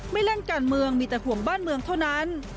ไม่เล่นการเมืองมีแต่ห่วงบ้านเมืองเท่านั้น